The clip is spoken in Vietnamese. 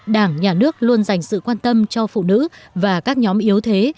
đảng nhà nước luôn dành sự quan tâm cho phụ nữ và các nhóm yếu thế